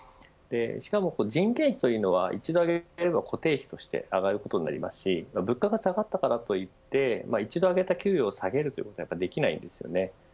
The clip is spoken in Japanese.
しかも人件費というのは一度上げれば固定費として上がることになりますし物価が下がったからといって一度上げた給与を下げるというのはできないです。